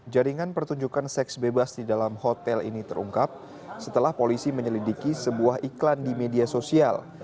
jaringan pertunjukan seks bebas di dalam hotel ini terungkap setelah polisi menyelidiki sebuah iklan di media sosial